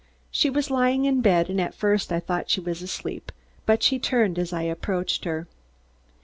She was lying in bed and at first I thought she was asleep, but she turned as I approached her.